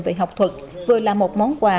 về học thuật vừa là một món quà